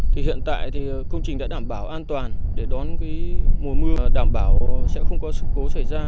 thì hiện tại thì công trình đã đảm bảo an toàn để đón cái mùa mưa đảm bảo sẽ không có sự cố xảy ra